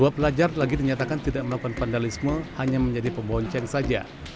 dua pelajar lagi dinyatakan tidak melakukan vandalisme hanya menjadi pembonceng saja